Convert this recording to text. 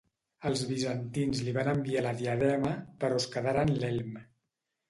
Els bizantins li van enviar la diadema, però es quedaren l'elm.